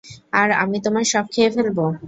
আর আমি তোমার সব খেয়ে ফেলব।